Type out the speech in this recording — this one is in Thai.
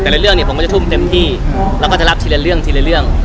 เรื่องเนี่ยผมก็จะทุ่มเต็มที่เราก็จะรับทีละเรื่องทีละเรื่อง